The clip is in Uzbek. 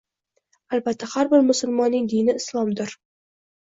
Albatta, har bir musulmonning dini Islomdir.